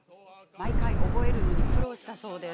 毎回覚えるのに苦労したそうです。